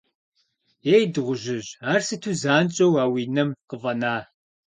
Ей, дыгъужьыжь, ар сыту занщӏэу а уи нам къыфӏэна?